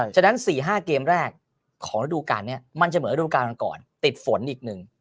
ฉะนั้น๔๕เกมแรกของระดูการนี้มันจะเหมือนฤดูการมาก่อนติดฝนอีกหนึ่ง